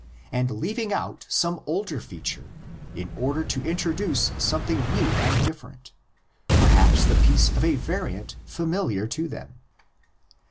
332) and leaving out some older feature in order to introduce something new and different, perhaps the piece of a variant familiar to them (^Commentary, p.